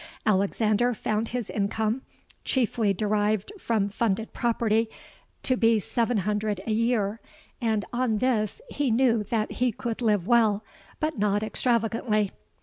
Alexander found his income, chiefly derived from funded property, to be seven hundred a year; and on this he knew that he could live well, but not extravagantly.